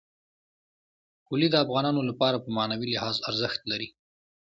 کلي د افغانانو لپاره په معنوي لحاظ ارزښت لري.